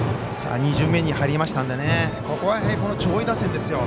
２巡目に入りましたのでここは上位打線です。